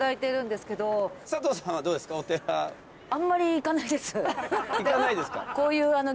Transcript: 行かないですか？